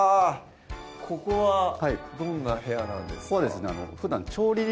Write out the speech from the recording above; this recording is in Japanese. ここはどんな部屋なんですか？